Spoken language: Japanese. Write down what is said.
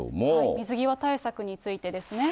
水際対策についてですね。